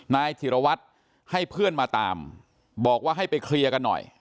นายธิรวัตรให้เพื่อนมาตามบอกว่าให้ไปเคลียร์กันหน่อย